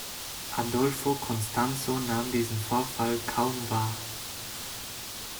Adolfo Constanzo nahm diesen Vorfall kaum wahr.